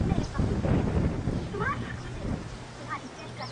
د زمري غوښي خوراک د ده شوتل وه-